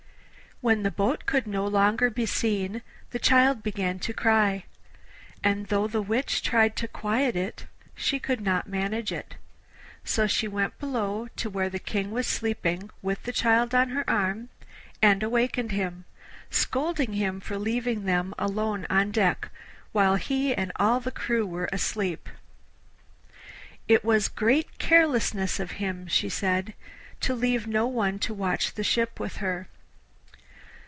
When the boat could no longer be seen the child began to cry, and though the Witch tried to quiet it she could not manage it; so she went below to where the King was sleeping with the child on her arm, and awakened him, scolding him for leaving them alone on deck, while he and all the crew were asleep. It was great carelessness of him, she said, to leave no one to watch the ship with her.